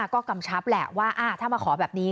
ก็กำชับแหละว่าถ้ามาขอแบบนี้